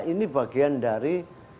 ini bagian dari